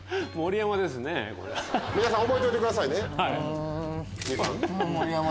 皆さん覚えといてくださいね。